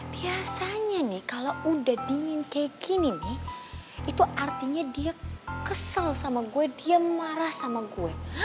biasanya nih kalau udah dingin kayak gini nih itu artinya dia kesel sama gue dia marah sama gue